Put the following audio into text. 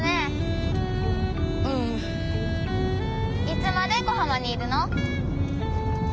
いつまで小浜にいるの？